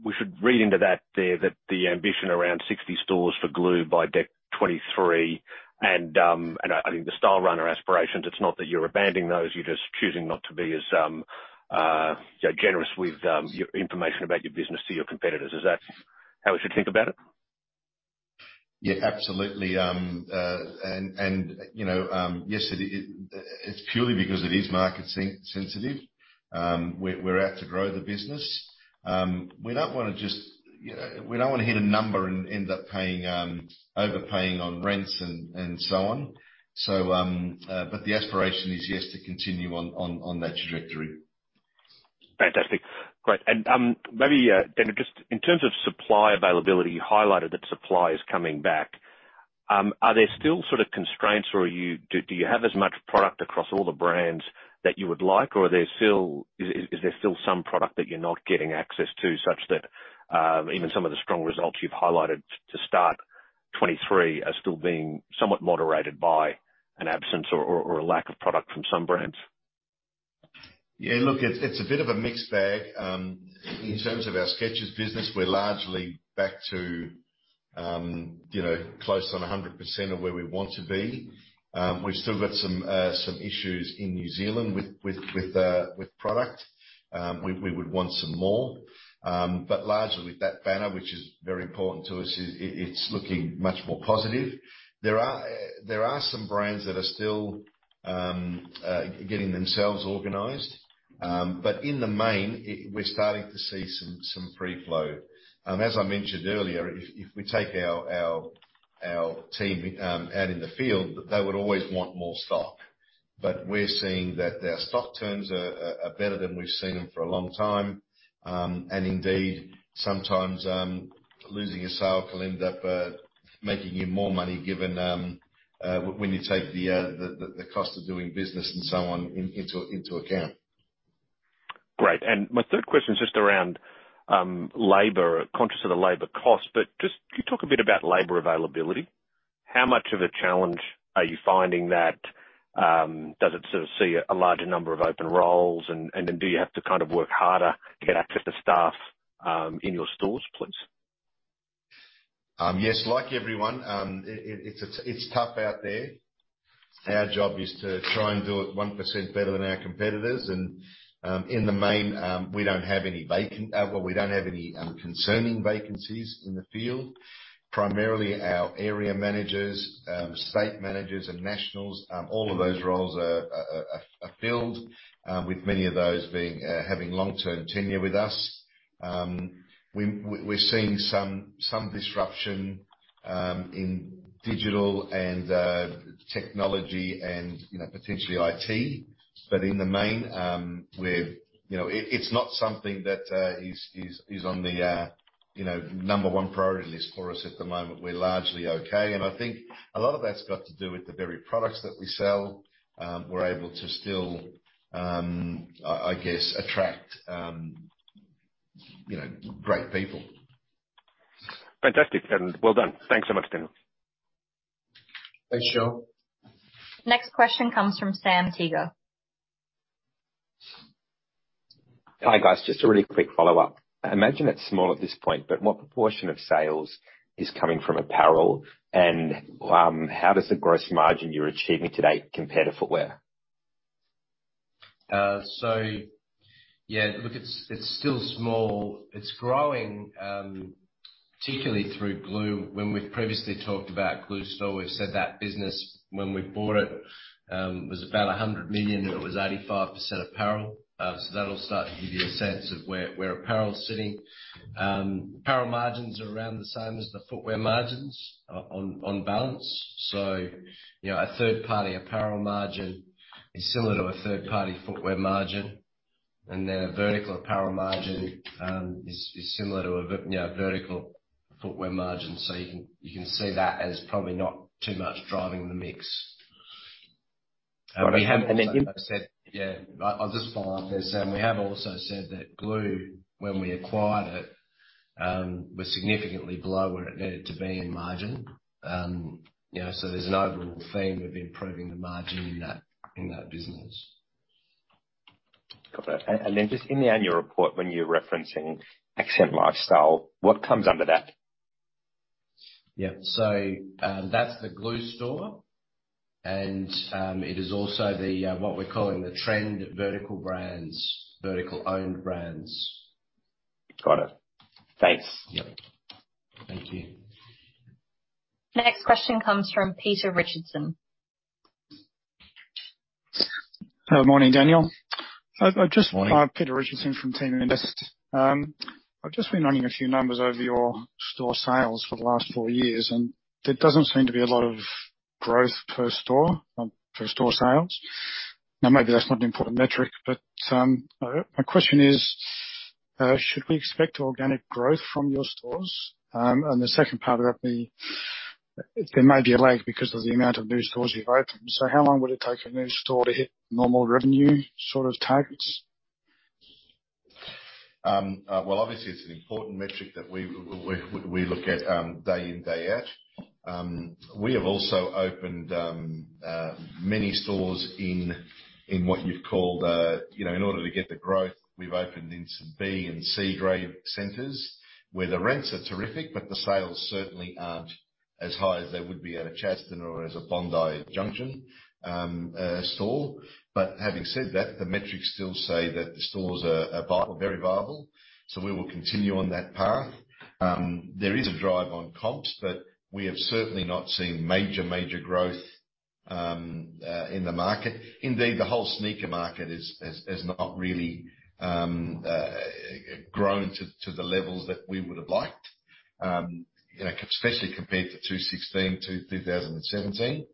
We should read into that there that the ambition around 60 stores for Glue by December 2023 and I think the Stylerunner aspirations, it's not that you're abandoning those, you're just choosing not to be as you know, generous with your information about your business to your competitors. Is that how we should think about it? Yeah, absolutely. Yes, it's purely because it is market sensitive. We're out to grow the business. We don't wanna just, you know, we don't wanna hit a number and end up overpaying on rents and so on. The aspiration is, yes, to continue on that trajectory. Fantastic. Great. Maybe, Daniel, just in terms of supply availability, you highlighted that supply is coming back. Are there still sort of constraints or do you have as much product across all the brands that you would like? Or is there still some product that you're not getting access to such that even some of the strong results you've highlighted to start 2023 are still being somewhat moderated by an absence or a lack of product from some brands? Yeah, look, it's a bit of a mixed bag. In terms of our Skechers business, we're largely back to, you know, close on 100% of where we want to be. We've still got some issues in New Zealand with product. We would want some more. But largely that banner, which is very important to us, it's looking much more positive. There are some brands that are still getting themselves organized. But in the main, we're starting to see some free flow. As I mentioned earlier, if we take our team out in the field, they would always want more stock. But we're seeing that their stock turns are better than we've seen them for a long time. Indeed, sometimes losing a sale can end up making you more money given when you take the cost of doing business and so on into account. Great. My third question is just around labor. Conscious of the labor cost, but just can you talk a bit about labor availability? How much of a challenge are you finding that does it sort of see a larger number of open roles? Then do you have to kind of work harder to get access to staff in your stores please? Yes, like everyone, it's tough out there. Our job is to try and do it 1% better than our competitors. In the main, well, we don't have any concerning vacancies in the field. Primarily our area managers, state managers and nationals, all of those roles are filled, with many of those having long-term tenure with us. We're seeing some disruption in digital and technology and, you know, potentially IT. In the main, we're, you know. It's not something that is on the, you know, number one priority list for us at the moment. We're largely okay. I think a lot of that's got to do with the very products that we sell. We're able to still, I guess attract, you know, great people. Fantastic. Well done. Thanks so much, Daniel. Thanks, Shaun. Next question comes from Sam Teeger. Hi, guys. Just a really quick follow-up. I imagine it's small at this point, but what proportion of sales is coming from apparel? How does the gross margin you're achieving today compare to footwear? It's still small. It's growing, particularly through Glue Store. When we've previously talked about Glue Store, we've said that business when we bought it was about 100 million, and it was 85% apparel. That'll start to give you a sense of where apparel is sitting. Apparel margins are around the same as the footwear margins on balance. You know, a third-party apparel margin is similar to a third-party footwear margin, and then a vertical apparel margin is similar to a vertical footwear margin. You know, you can see that as probably not too much driving the mix. Got it. I'll just follow up there, Sam. We have also said that Glue, when we acquired it, was significantly below where it needed to be in margin. You know, so there's an overall theme of improving the margin in that business. Got that. Just in the annual report, when you're referencing Accent Lifestyle, what comes under that? That's the Glue Store, and it is also what we're calling the trend Vertical Brands. Got it. Thanks. Yep. Thank you. Next question comes from Peter Richardson. Good morning, Daniel. I've just- Morning. Peter Richardson from Teaminvest. I've just been running a few numbers over your store sales for the last four years, and there doesn't seem to be a lot of growth per store, per store sales. Now, maybe that's not an important metric, but my question is, should we expect organic growth from your stores? The second part of that would be, there may be a lag because of the amount of new stores you've opened, so how long would it take a new store to hit normal revenue sort of targets? Well, obviously, it's an important metric that we look at day in, day out. We have also opened many stores in what you'd call the. You know, in order to get the growth we've opened in some B and C grade centers, where the rents are terrific, but the sales certainly aren't as high as they would be at a Chadstone or as a Bondi Junction store. Having said that, the metrics still say that the stores are very viable, so we will continue on that path. There is a drive on comps, but we have certainly not seen major growth in the market. Indeed, the whole sneaker market has not really grown to the levels that we would've liked, you know, especially compared to 2016-2017.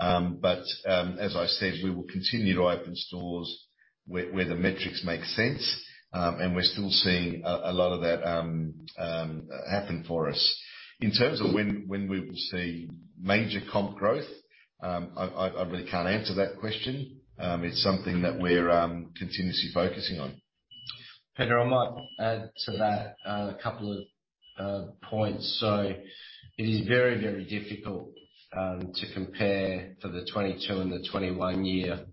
As I said, we will continue to open stores where the metrics make sense, and we're still seeing a lot of that happen for us. In terms of when we will see major comp growth, I really can't answer that question. It's something that we're continuously focusing on. Peter, I might add to that, a couple of points. It is very, very difficult to compare for the 2022 and the 2021 year,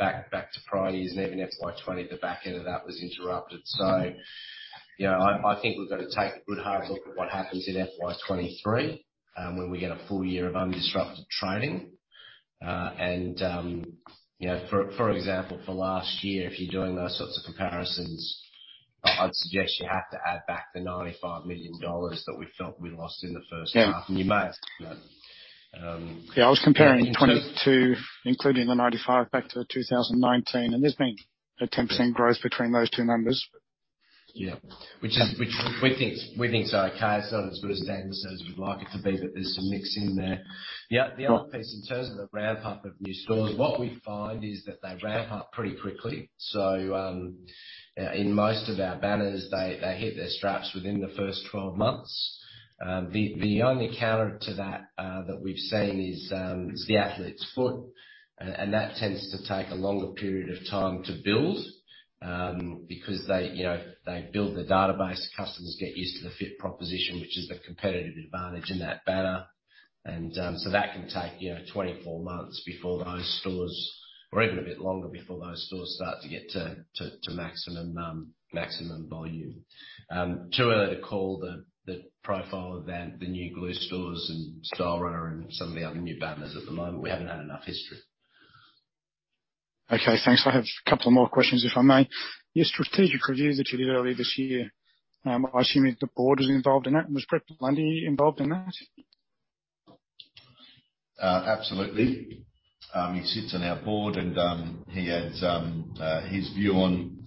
back to prior years and even FY 2020, the back end of that was interrupted. You know, I think we've gotta take a good, hard look at what happens in FY 2023, when we get a full year of undisrupted trading. You know, for example, for last year, if you're doing those sorts of comparisons, I'd suggest you have to add back the 95 million dollars that we felt we lost in the first half. Yeah. You may have seen that. Yeah, I was comparing 2022, including the 95 back to 2019, and there's been a 10% growth between those two numbers. Yeah. Which we think is okay. It's not as good a standard as we'd like it to be, but there's some mix in there. Yeah. The other piece, in terms of the ramp up of new stores, what we find is that they ramp up pretty quickly. In most of our banners they hit their straps within the first 12 months. The only counter to that that we've seen is The Athlete's Foot. And that tends to take a longer period of time to build, because they you know build their database, customers get used to the fit proposition, which is the competitive advantage in that banner. That can take, you know, 24 months before those stores, or even a bit longer, before those stores start to get to maximum volume. Too early to call the profile of that, the new Glue Store stores and Stylerunner and some of the other new banners at the moment. We haven't had enough history. Okay, thanks. I have a couple more questions, if I may. Your strategic review that you did earlier this year, I assume the board is involved in that, and was Brett Blundy involved in that? Absolutely. He sits on our board and he adds his view on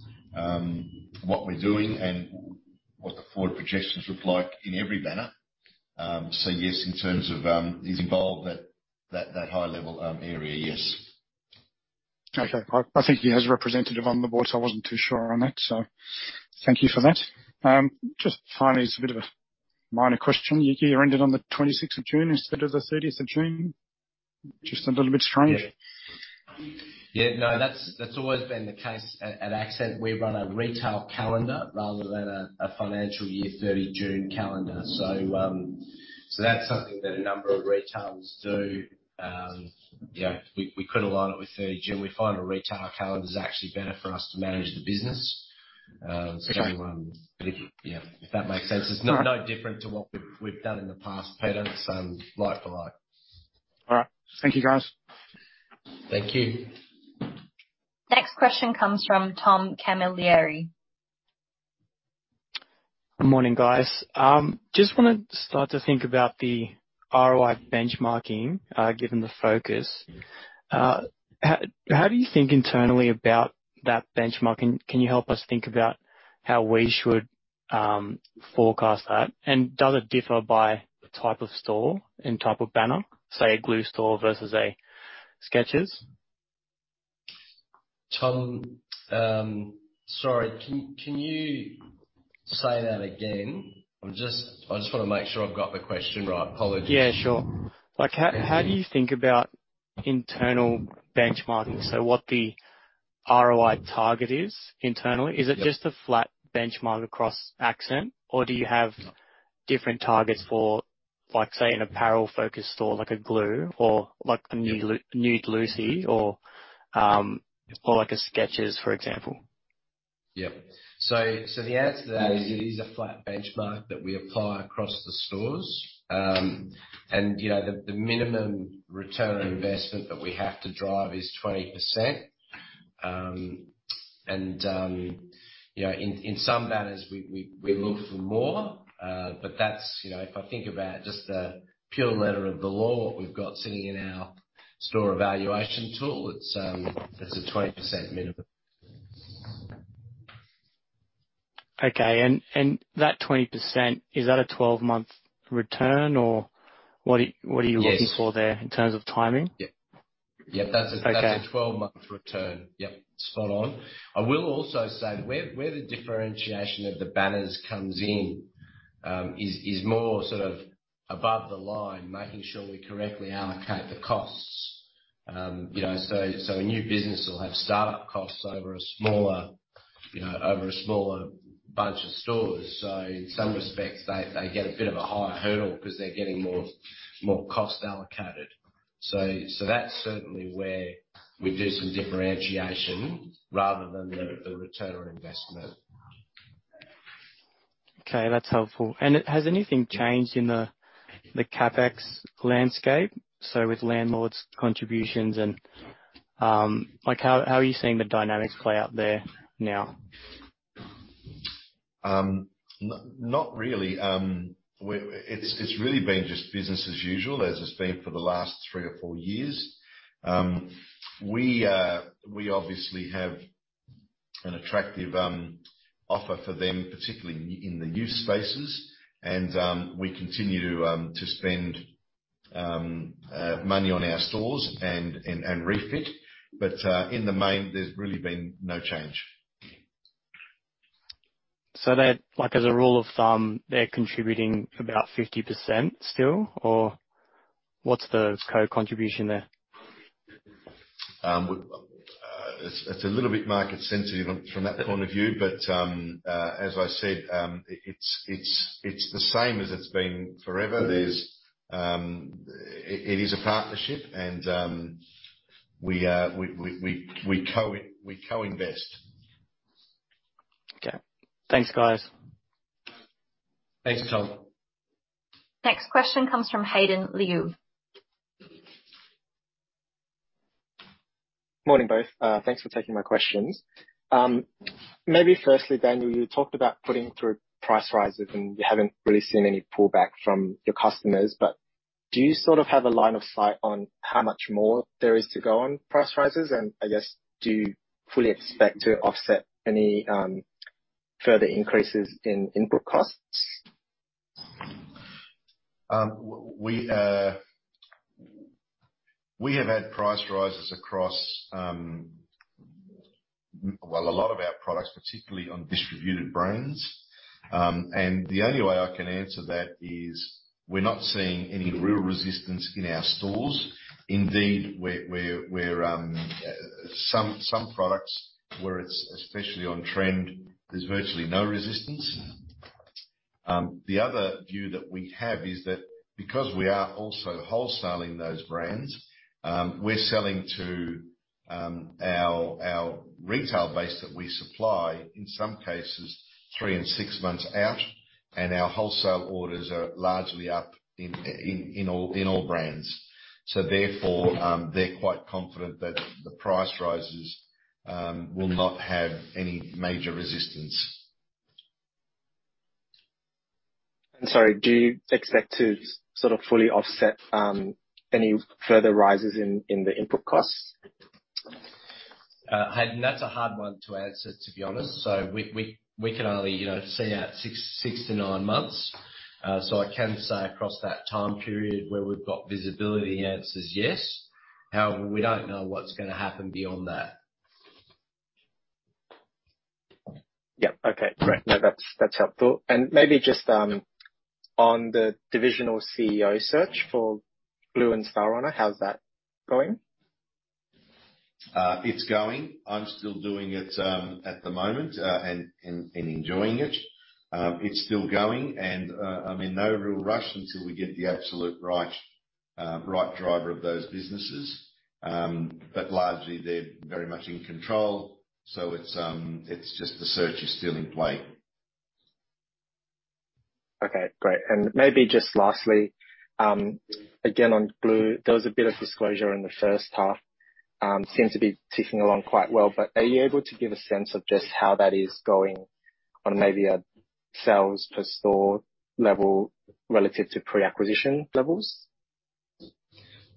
what we're doing and what the forward projections look like in every banner. Yes, in terms of, he's involved at that high level area, yes. Okay. I think he has a representative on the board, so I wasn't too sure on that, so thank you for that. Just finally, it's a bit of a minor question. You ended on the 26th of June instead of the 30th of June. Just a little bit strange. Yeah. Yeah, no, that's always been the case at Accent. We run a retail calendar rather than a financial year 30 June calendar. That's something that a number of retailers do. You know, we could align it with 30 June. We find a retail calendar is actually better for us to manage the business. Okay. Yeah, if that makes sense. Sure. It's no different to what we've done in the past, Peter. It's like for like. All right. Thank you, guys. Thank you. Next question comes from Tom Camilleri. Good morning, guys. Just wanna start to think about the ROI benchmarking given the focus. How do you think internally about that benchmarking? Can you help us think about how we should forecast that? Does it differ by the type of store and type of banner, say, a Glue Store versus a Skechers? Tom, sorry, can you say that again? I just wanna make sure I've got the question right. Apologies. Yeah, sure. Like, how do you think about internal benchmarking? What the ROI target is internally. Yep. Is it just a flat benchmark across Accent or do you have different targets for, like, say, an apparel-focused store like a Glue or like a Nude Lucy or like a Skechers, for example? The answer to that is it is a flat benchmark that we apply across the stores. You know, the minimum return on investment that we have to drive is 20%. You know, in some banners we look for more. That's, you know, if I think about just the pure letter of the law, what we've got sitting in our store evaluation tool. It's a 20% minimum. Okay. That 20%, is that a 12-month return or what are you? Yes. looking for there in terms of timing? Yep. Okay. That's a 12-month return. Yep, spot on. I will also say where the differentiation of the banners comes in is more sort of above the line, making sure we correctly allocate the costs. You know, so a new business will have start-up costs over a smaller bunch of stores. So in some respects they get a bit of a higher hurdle because they're getting more cost allocated. So that's certainly where we do some differentiation rather than the return on investment. Okay, that's helpful. Has anything changed in the CapEx landscape? With landlords' contributions and, like, how are you seeing the dynamics play out there now? Not really. It's really been just business as usual, as it's been for the last three or four years. We obviously have an attractive offer for them, particularly in the new spaces, and we continue to spend money on our stores and refit. In the main, there's really been no change. Like as a rule of thumb, they're contributing about 50% still or what's the co-contribution there? It's a little bit market sensitive from that point of view, but as I said, it's the same as it's been forever. It is a partnership and we co-invest. Okay. Thanks, guys. Thanks, Tom. Next question comes from Hayden Liu. Morning, both. Thanks for taking my questions. Maybe firstly, Daniel, you talked about putting through price rises, and you haven't really seen any pullback from your customers. Do you sort of have a line of sight on how much more there is to go on price rises? And I guess, do you fully expect to offset any further increases in input costs? We have had price rises across, well, a lot of our products, particularly on distributed brands. The only way I can answer that is we're not seeing any real resistance in our stores. Indeed, where some products where it's especially on trend, there's virtually no resistance. The other view that we have is that because we are also wholesaling those brands, we're selling to our retail base that we supply, in some cases three and six months out, and our wholesale orders are largely up in all brands. Therefore, they're quite confident that the price rises will not have any major resistance. Sorry, do you expect to sort of fully offset any further rises in the input costs? Hayden, that's a hard one to answer, to be honest. We can only see out six to nine months. I can say across that time period where we've got visibility, the answer is yes. However, we don't know what's gonna happen beyond that. Yeah. Okay. Great. No, that's helpful. Maybe just on the divisional CEO search for Glue and Stylerunner, how's that going? It's going. I'm still doing it at the moment and enjoying it. It's still going and I'm in no real rush until we get the absolute right driver of those businesses. Largely they're very much in control. It's just the search is still in play. Okay, great. Maybe just lastly, again, on Glue, there was a bit of disclosure in the first half. Seems to be ticking along quite well. Are you able to give a sense of just how that is going on maybe a sales per store level relative to pre-acquisition levels?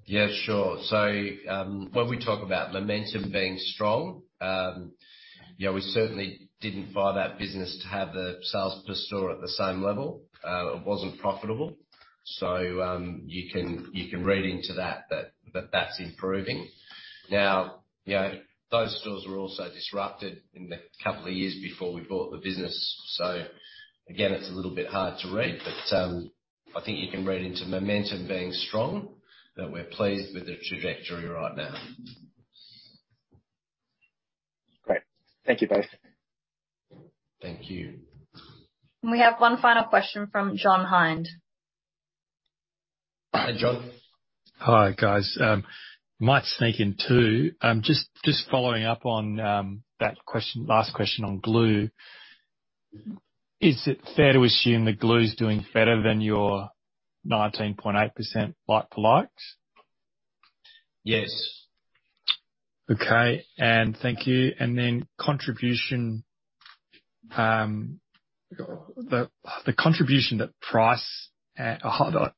Yeah, sure. When we talk about momentum being strong, yeah, we certainly didn't buy that business to have the sales per store at the same level. It wasn't profitable. You can read into that that's improving. Now, you know, those stores were also disrupted in the couple of years before we bought the business. Again, it's a little bit hard to read, but I think you can read into momentum being strong, that we're pleased with the trajectory right now. Great. Thank you both. Thank you. We have one final question from John Hynd. Hi, John. Hi, guys. Might sneak in, too. Just following up on that question, last question on Glue Store. Is it fair to assume that Glue Store's doing better than your 19.8% like-for-likes? Yes. Okay. Thank you. Then the contribution that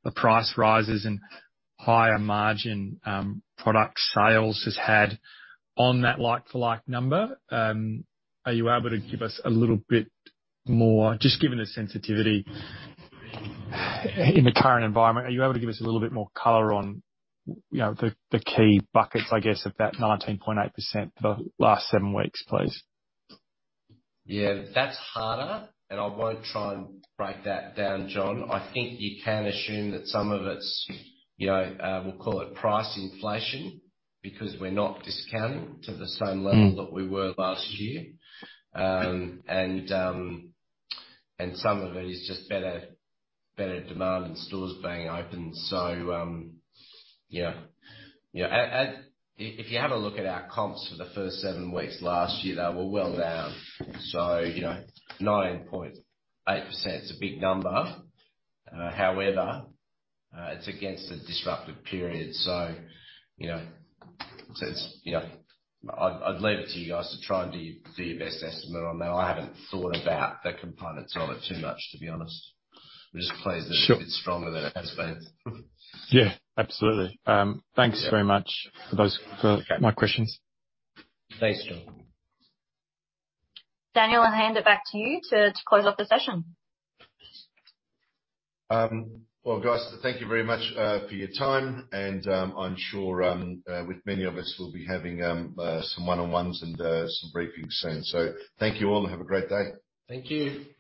the price rises and higher margin product sales has had on that like-for-like number. Just given the sensitivity in the current environment, are you able to give us a little bit more color on, you know, the key buckets, I guess, of that 19.8% for the last seven weeks, please? Yeah, that's harder, and I won't try and break that down, John. I think you can assume that some of it's, you know, we'll call it price inflation, because we're not discounting to the same level. Mm. That we were last year. Some of it is just better demand and stores being open. Yeah. You know, if you have a look at our comps for the first seven weeks last year, they were well down. You know, 9.8% is a big number. However, it's against a disruptive period. You know, I'd leave it to you guys to try and do your best estimate on that. I haven't thought about the components of it too much, to be honest. I'm just pleased that Sure. It's a bit stronger than it has been. Yeah, absolutely. Thanks very much for those, for my questions. Thanks, John. Daniel, I'll hand it back to you to close off the session. Well, guys, thank you very much for your time, and I'm sure with many of us, we'll be having some one-on-ones and some briefings soon. Thank you all, and have a great day. Thank you.